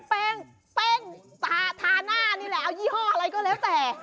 แป้งเป้งทาหน้านี่แหละเอายี่ห้ออะไรก็แล้วแต่